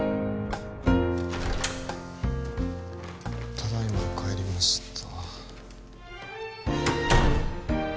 ただいま帰りました